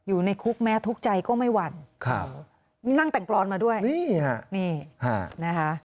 อยู่ในคุกแม้ทุกข์ใจก็ไม่หวั่นครับนี่นั่งแต่งกรอนมาด้วยนี่ฮะนี่นะคะ